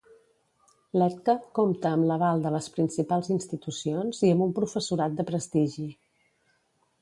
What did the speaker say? L'ETcA compta amb l'aval de les principals institucions i amb un professorat de prestigi.